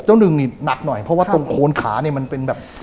หนึ่งนี่หนักหน่อยเพราะว่าตรงโคนขาเนี่ยมันเป็นแบบ